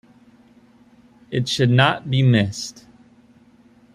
It should not be missed.